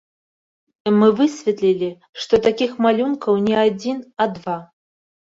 Мы высветлілі, што такіх малюнкаў не адзін, а два.